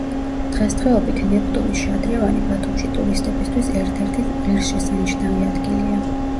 დღესდღეობით ნეპტუნის შადრევანი, ბათუმში ტურისტებისთვის ერთ-ერთი ღირსშესანიშნავი ადგილია.